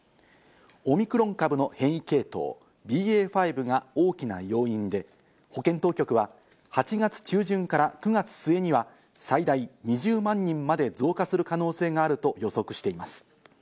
オミクロン株の変異系統ＢＡ．５が大きな要因で保健当局は８月中旬から９月末には最大２０万人まで増加する可能性があると予測しています。